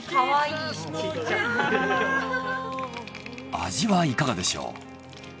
味はいかがでしょう？